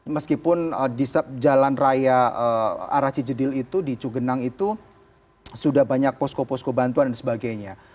meskipun di jalan raya arah cijedil itu di cugenang itu sudah banyak posko posko bantuan dan sebagainya